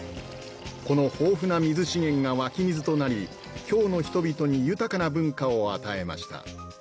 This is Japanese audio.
この豊富な水資源が湧き水となり京の人々に豊かな文化を与えました